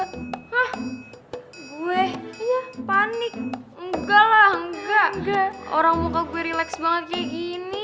hah gue panik enggak lah enggak orang muka gue relax banget kayak gini